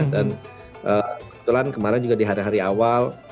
dan kebetulan kemarin juga di hari hari awal